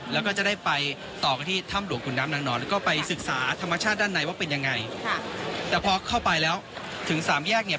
แล้วก็จะได้ไปต่อกันที่ถ้ำหลวงพลุกเงี่ย